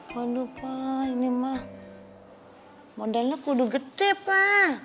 waduh pak ini man modalnya kudu gede pak